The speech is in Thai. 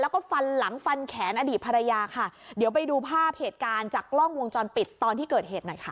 ขอลาบเหตุการณ์จากกล้องวงจรปิดตอนที่เกิดเหตุหน่อยค่ะ